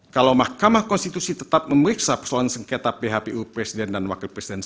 kalau mahkamah konstitusi tetap memeriksa persoalan sengketa phpu presiden dan wakil presiden